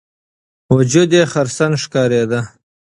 وجود یې خرسن ښکارېده.